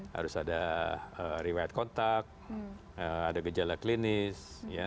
harus ada riwayat kontak ada gejala klinis